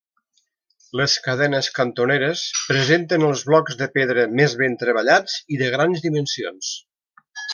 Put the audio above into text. Les cadenes cantoneres presenten els blocs de pedra més ben treballats i de grans dimensions.